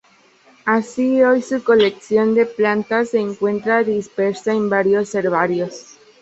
Así hoy, su colección de plantas se encuentra dispersa en varios herbarios.